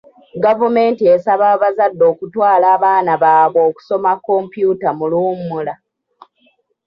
Gavumenti esaba abazadde okutwala abaana baabwe okusoma kompyuta mu luwummula.